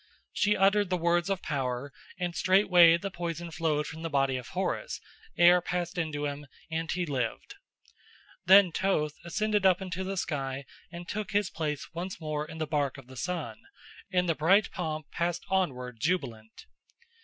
She uttered the words of power, and straightway the poison flowed from the body of Horus, air passed into him, and he lived. Then Thoth ascended up into the sky and took his place once more in the bark of the sun, and the bright pomp passed onward jubilant.